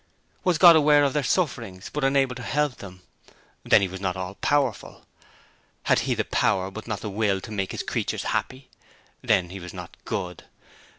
Was God aware of their sufferings, but unable to help them? Then He was not all powerful. Had He the power but not the will to make His creatures happy? Then He was not good.